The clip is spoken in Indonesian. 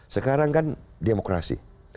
sekarang kan demokrasi